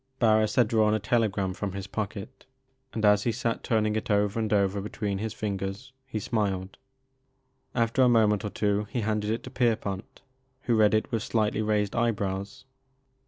Barris had drawn a telegram from his pocket, and as he sat turning it over and over between his fingers he smiled. After a moment or two he handed it to Pierpont who read it with slightly raised eyebrows.